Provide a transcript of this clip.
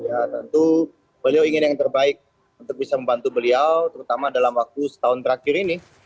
ya tentu beliau ingin yang terbaik untuk bisa membantu beliau terutama dalam waktu setahun terakhir ini